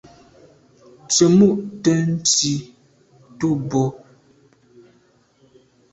Tsemo’ te ntsi tu bo.